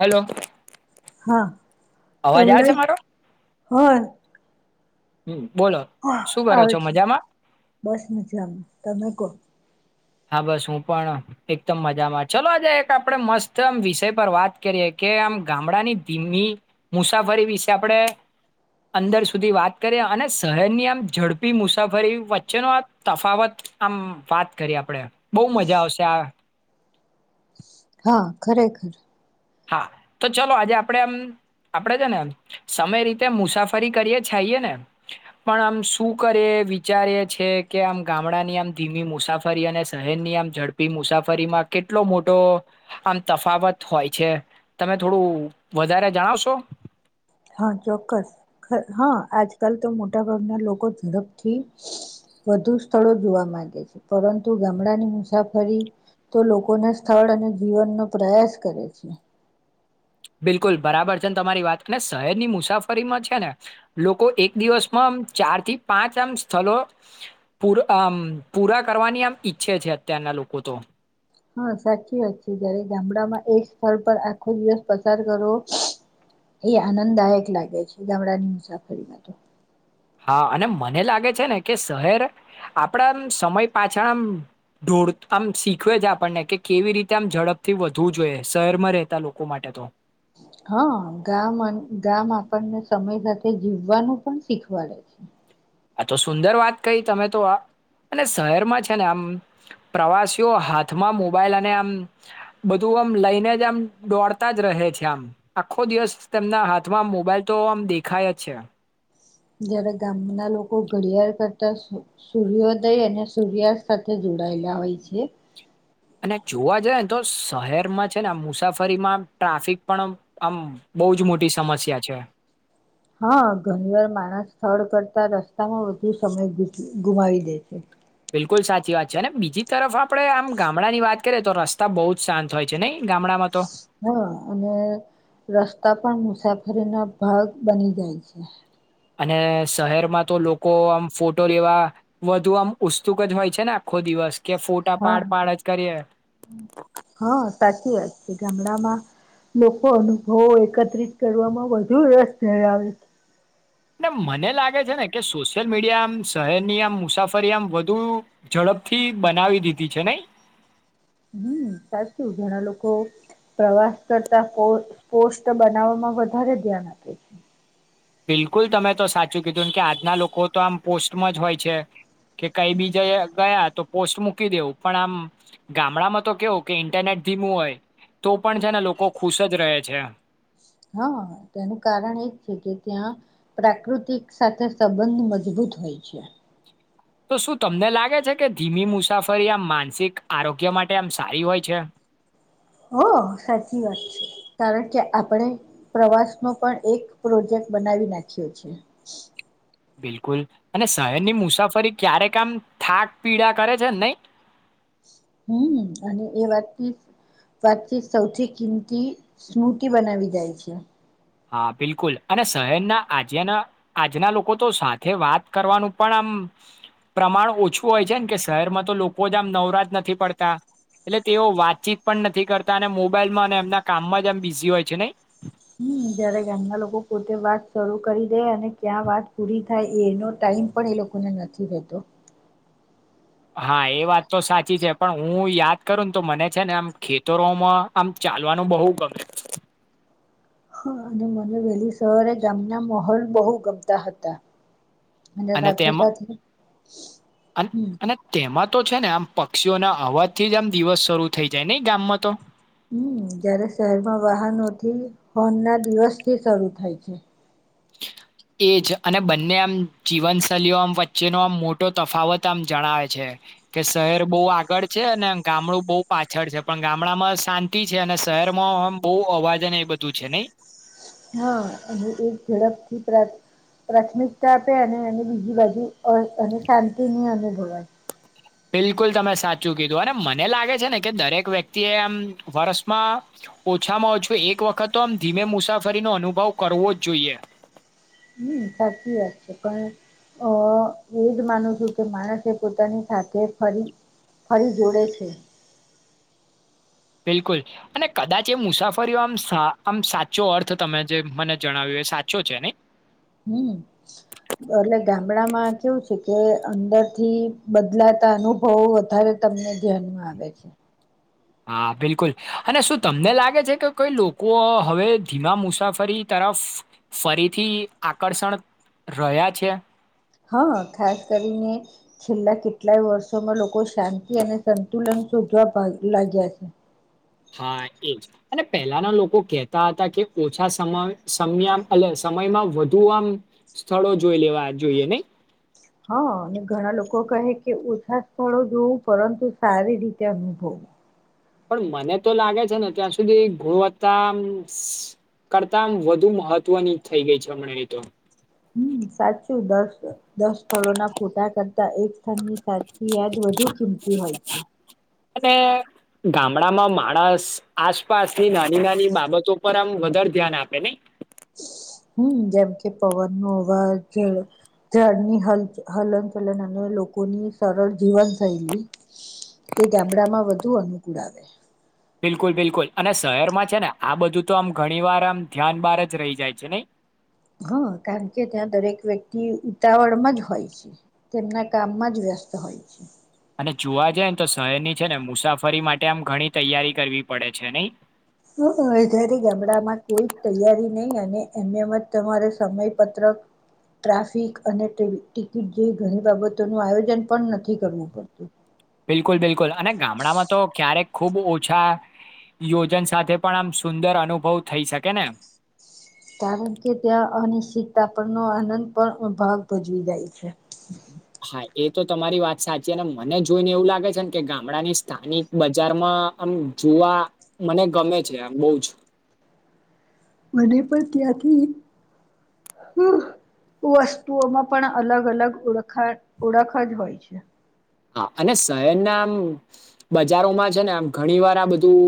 Hello હા અવાજ આવે છે મારો [unintelligible] હા. હમ્મ. આવે છે બસ મજામાં તમે કૌ હા બસ હું પણ એકદમ મજામાં ચલો આજે એક આપડે મસ્ત આમ વિષય પર વાત કરીએ કે આમ ગામડાની ધીમી મુસાફરી વિશે આપડે અંદર સુધી વાત કરીએ અને શહેરની આમ ઝડપી મુસાફરી વચ્ચેનો આ તફાવત આમ વાત કરી આપડે બઉ મજા આવશે આ. હા ખરેખર. હા તો ચલો આજે આપડે આમ આપડે છે ને સમય રીતે મુસાફરી કરીએ છાઈએ ને પણ આમ શું કરીએ વિચારીએ છે કે આમ ગામડાની આમ ધીમી મુસાફરી અને શહેરની આમ ઝડપી મુસાફરીમાં કેટલો મોટો આમ તફાવત હોય. છે તમે થોડું વધારે જણાવશો? હા ચોક્કસ હા આજકાલ તો મોટાભાગના લોકો ઝડપથી વધુ સ્થળો જોવા માંગે છે પરંતુ ગામડાની મુસાફરી તો લોકોને સ્થળ અને જીવનનો પ્રયાસ કરે છે. બિલકુલ બરાબર છે તમારી વાતને શહેરની મુસાફરીમાં છે ને લોકો એક દિવસમાં ચાર થી પાંચ આમ સ્થલો પૂરમં પૂરા કરવાની આમ ઈચ્છે છે અત્યારના લોકો તો. હા સાચી વાત છે જયારે ગામડામાં એક સ્થળ પર આખો દિવસ પસાર કરવો એ આનંદદાયક લાગે છે ગામડાની મુસાફરીમાં તો. હા અને મને લાગે છે ને કે શહેર આપડામ સમય પાછા આમ ઢોળ આમ શીખવે છે આપણને કે કેવી રીતે આમ ઝડપથી વધવું જોઈએ શહેરમાં રહેતા લોકો માટે તો. હા ગામ ગામ આપણને સમય સાથે જીવવાનું પણ શીખવાડે છે. આ તો સુંદર વાત કહી તમે તો આ અને શહેરમાં છે ને આમ પ્રવાસીઓ હાથમાં મોબાઈલ અને આમ બધું આમ લઈને જ આમ દોડતા જ રહે છે આમ આખો દિવસ તેમના હાથમાં મોબાઈલ તો આમ દેખાય જ છે. જયારે ગામના લોકો ઘડિયાળ કરતા સૂર્યોદય અને સૂર્યાસ્ત સાથે જોડાયેલા હોય છે. અને જોવા જઈએ ને તો શહેરમાં છે ને મુસાફરીમાં ટ્રાફિક પણ આમ બહુ જ મોટી સમસ્યા છે. હા ઘણી વાર માણસ સ્થળ કરતા રસ્તામાં વધુ સમય ગુમાવી દે છે. બિલકુલ સાચી વાત છે ને બીજી તરફ આપણે આમ ગામડાની વાત કરીએ તો રસ્તા બઉ જ શાંત હોય છે નઈ ગામડામાં તો. હા અને રસ્તા પણ મુસાફરી ના ભાગ બની જાય છે. અને શહેરમાં તો લોકો આમ ફોટો લેવા વધુ આમ ઉત્સુક જ હોય છે ને આખો દિવસ. કે ફોટા હા પાડ પાડ જ કરીએ. હા સાચી વાત છે ગામડામાં લોકો અનુભવો એકત્રિત કરવામાં વધુ રસ ધરાવે છે. ને મને લાગે છે ને કે સોશિયલ મીડિયા આમ શહેરની આમ મુસાફરી આમ વધુ ઝડપથી બનાવી દીધી છે નઈ. હમ સાચું ઘણા લોકો પ્રવાસ કરતા સ્પષ્ટ બનાવવામાં વધારે ધ્યાન આપે છે. બિલકુલ તમે તો સાચું કીધું કે આજના લોકો તો આમ પોસ્ટમાં જ હોય છે. કે કઈ બીજાયા ગયા. તો પોસ્ટ મૂકી દેવું પણ આમ ગામડામાં તો કેવું કે ઇન્ટરનેટ ધીમું હોય તો પણ છે ને લોકો ખુશ જ રહે છે. હા તેનું કારણ એ જ છે કે ત્યાં પ્રાકૃતિક સાથે સંબંધ મજબૂત હોય છે. તો શું તમને લાગે છે કે ધીમી મુસાફરી આમ માનસિક આરોગ્ય માટે આમ સારી હોય છે. હા સાચી વાત છે કારણ કે આપણે પ્રવાસ નો પણ એક પ્રોજેક્ટ બનાવી નાખ્યો છે. બિલકુલ અને શહેરની મુસાફરી ક્યારે કામ થાક પીડા કરે છે ને નઈ. હમ અને એ વાતચીત વાતચીત સૌથી કિંમતી સ્મૂતિ બનાવી જાય છે. હા બિલકુલ અને શહેરના આજેના આજના લોકો તો સાથે વાત કરવાનું પણ આમ પ્રમાણ ઓછું હોય છે ને કે શહેરમાં તો લોકો જ આમ નવરાજ નથી પડતા એટલે તેઓ વાતચીત પણ નથી કરતા અને મોબાઈલમાં અને એમના કામમાં જ એમ બિઝી હોય છે નઈ. હમ જયારે ગામના લોકો પોતે વાત શરૂ કરી દે અને ક્યાં વાત પૂરી થાય એનો ટાઈમ પણ એ લોકોને નથી રહેતો. હા એ વાત તો સાચી છે પણ હું યાદ કરું ને તો મને છે ને આમ ખેતરોમાં આમ ચાલવાનું બહુ ગમે. હ અને બી વેલી. સવારે ગામનો માહોલ બહુ ગમતા હતા. અને સાથે તેમ સાથે અન હમ અને તેમાં તો છે ને આમ પક્ષીઓના અવાજ થી જ આમ દિવસ શરૂ થઈ જાય નઈ ગામમાં તો. હમ જયારે શહેરમાં વાહનોથી હોન ના દિવસથી શરૂ થાય છે. એજ અને બંને આમ જીવનશૈલીઓ આમ વચ્ચેનો આમ મોટો તફાવત આમ જણાવે છે કે શહેર બહુ આગળ છે અને ગામડું બહુ પાછળ છે પણ ગામડામાં શાંતિ છે અને શહેરમાં આમ બહુ અવાજને એ બધું છે નહી. હા એક ઝડપથી પ્રાથમિકતા આપે અને એ બીજી બાજુ અને શાંતિ ની અનુ [unintelligible] બિલકુલ તમે સાચું કીધું અને મને લાગે છે ને કે દરેક વ્યક્તિ એ આમ વર્ષમાં ઓછામાં ઓછું એક વખત તો આમ ધીમે મુસાફરીનો અનુભવ કરવો જ જોઈએ. હમ સાચી વાત છે પણ અ એજ માનું છું કે માણસ એ પોતાની સાથે ફરી ફરી જોડે છે. બિલકુલ અને કદાચ એ મુસાફરીઓ આમ આમ સાચો અર્થ તમે જે મને જણાવ્યું એ સાચો છે નહી. હમ એટલે ગામડામાં કેવું છે કે અંદરથી બદલાતા અનુભવો વધારે તમને ધ્યાનમાં આવે છે. હા બિલકુલ અને શું તમને લાગે છે કે કોઈ લોકો હવે ધીમા મુસાફરી તરફ ફરીથી આકર્ષણ રહ્યા છે. હા ખાસ કરીને છેલ્લા કેટલાય વર્ષોમાં લોકો શાંતિ અને. સંતુલન શોધવા પાાય. [unintelligible] છે. હા, એજ અને પહેલાના લોકો કહેતા હતા, કે ઓછા સમય સમયમાં વધુ આમ સ્થળો જોઈ લેવા જોઈએ અને હા, અને ઘણા લોકો કહે, કે ઓછા સ્થળો જોવું પરંતુ સારી રીતે અનુભવ પણ મને તો લાગે છે, ને ત્યાં સુધી ગુણવત્તા કરતામ વધુ મહત્વની થઈ ગઈ છે. હમણાંતો હમ્મ, સાચું દસ-દસ સ્થળોના ફોટા કરતા એક સ્થળની [inaudible] યાદ વધુ કિંમતી હોય છે. અને ગામડામાં માણસ આસપાસની નાની-નાની બાબતો પર આમ વધારે ધ્યાન આપે ને. હમ્મ, જેમ કે પવન વાજ જળની હ હલનચલન અને લોકોની સરળ જીવન થયલી એ ગામડામાં વધુ અનુકૂળ આવે. બિલકુલ-બિલકુલ અને શહેરમાં છે, ને આ બધું તો આમ ઘણી વાર આમ ધ્યાન બાર જ રહી જાય છે, નહી? હમ્મ, કારણ કે ત્યાં દરેક વ્યક્તિ ઉતાવળમાં જ હોય છે, તેમના કામમાં જ વ્યસ્ત હોય છે. અને જોવા જાય ને તો શહેરની છે, ને મુસાફરી માટે આમ ઘણી તૈયારી કરવી પડે છે, નહી? [unintelligible] અત્યારે ગામડામાં કોઈ તૈયારી નહી, અને એમ એમ જ તમારે સમયપત્રક ટ્રાફિક અને ટિકિટ જેવી ઘણી બાબતો નું આયોજન પણ નથી કરવું પડતું. બિલકુલ-બિલકુલ અને ગામડામાં તો ક્યારેક ખૂબ ઓછા યોજન સાથે પણ આમ સુંદર અનુભવ થઈ શકે ને? કારણ કે ત્યાં અનિશ્ચિતતા પણનો આનંદ પણ ભાગ ભજવી જાય છે. હા, એ તો તમારી વાત સાચી ને મને જોઈને એવું લાગે છે, ને કે ગામડાની સ્થાનિક બજારમાં આમ જોવા મને ગમે છે, આ બો જ મને પણ ત્યાંથી વસ્તુઓમાં પણ અલગ-અલગ ઓળખા ઓળખ જ હોય છે. હા, અને શહેરના આમ બજારોમાં છે ને આમ ઘણી વાર આ બધું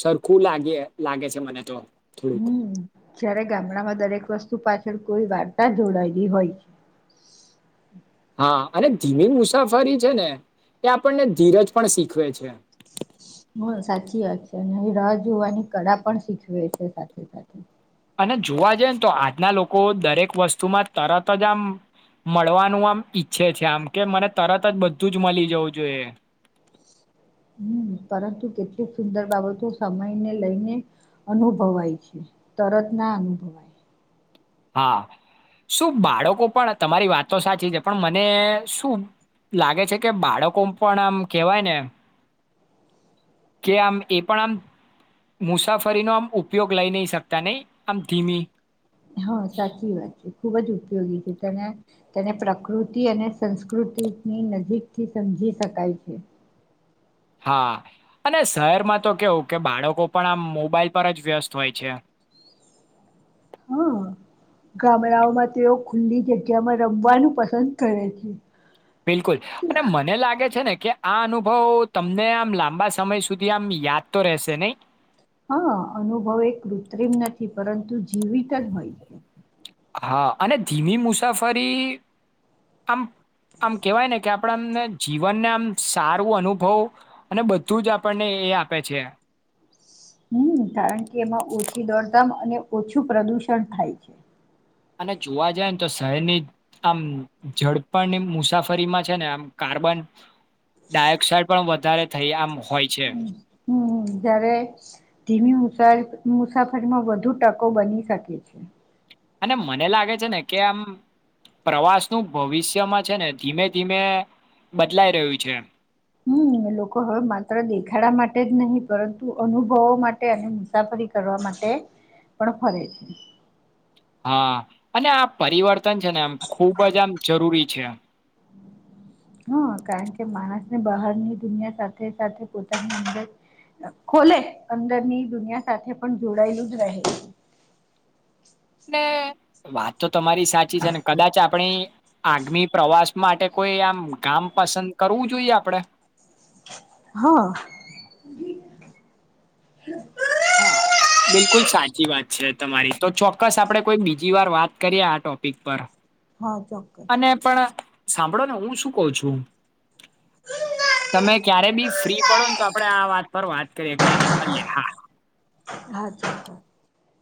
સરખું લાગે લાગે છે, મને તો થોડુંક હમ્મ, જ્યારે ગામડામાં દરેક વસ્તુ પાછી કોઈ વાર્તા જોડાયેલી હોય છે. હા, અને ધીમી મુસાફરી છે, ને એ આપણને ધીરજ પણ શીખવે છે. હ, સાચી વાત છે, અને રાહ જોવાની કળા પણ શીખવે છે, સાથે-સાથે. અને જોવા જઈએ ને, તો આજના લોકો દરેક વસ્તુમાં તરત જ આમ મળવાનું આમ ઈચ્છે છે, આમ કે મને તરત જ બધું જ મળી જવું જોઈએ. હમ્મ, પરંતુ કેટલીક સુંદર બાબતો સમયને લઈને અનુભવાય છે, તરત ના અનુભવાય. હા, શું બાળકો પણ તમારી વાત તો સાચી છે? પણ મને શું લાગે છે, કે બાળકો પણ આમ કેહેવાય ને કે આમ એ પણ આમ મુસાફરીનો આમ ઉપયોગ લઈ નહી શકતા નહી આમ ધીમી હા, સાચી વાત છે, ખુબજ ઉપગ છે, તેને પ્રકૃતિ અને સંસ્કૃતિની નજીકથી સમજી શકાય છે. હા, અને શહેરમાં તો કેવું કે બાળકો પણ આમ મોબાઈલ પર જ વ્યસ્ત હોય છે. હા, ગામડાઓમાં તે ખુલ્લી જગ્યામાં રમવાનું પસંદ કરે છે. બિલકુલ અને મને લાગે છે, ને કે આ અનુભવ તમને આમ લાંબા સમય સુધી આમ યાદ તો રહેશે, નહી? હા, અનુભવ એ કૃત્રિમ નથી, પરંતુ જીવિત જ હોય છે. હા, અને ધીમી મુસાફરી આમ આમ કેવાય ને કે આપણામને જીવનને આમ સારું અનુભવ અને બધું જ આપણને એ આપે છે. હમ્મ, કારણ કે એમાં ઓછી દોડદામ અને ઓછું પ્રદુષણ થાય છે. અને જોવા જાય ને, તો શહેરની આમ ઝડપણની મુસાફરીમાં છે, ને આમ કાર્બન ડાયોક્સાઈડ પણ વધારે થઈ આમ હોય છે હમ્મ, જયારે ધીમી મુસા ફરીમાં વધુ ટકો બની શકે છે. અને મને લાગે છે ને કે આમ પ્રવાસનું ભવિષ્યમાં છે, ને ધીમે ધીમે બદલાઈ રહ્યું છે. હમ લોકો હવે માત્ર દેખાડા માટે જ નહી પરંતુ અનુભવો માટે અને મુસાફરી કરવા માટે પણ ફરે છે. હા અને આ પરિવર્તન છે ને આમ ખૂબ જ આમ જરૂરી છે. હા કારણ કે માણસને બહારની દુનિયા સાથે સાથે પોતાની અંદર ખોલે અંદરની દુનિયા સાથે પણ જોડાયેલું જ રહે. ને આ તો તમારી સાચી છે ને કદાચ આપણી. આગમી પ્રવાસ માટે કોઈ આમ ગામ પસંદ કરવું જોઈએ આપડે. હા. હા બિલકુલ સાચી વાત છે તમારી તો ચોક્કસ આપડે કોઈ બીજી વાર વાત કરીએ આ ટોપિક પર હા ચોક્કસ. અને પણ સાંભળો ને હું શું કહુ છું તમે ક્યારે બી ફ્રી પડો ને તો આપડે આ વાત પર વાત કરીએ. કાંઈ નઈ ફરી. હા ચોક્કસ.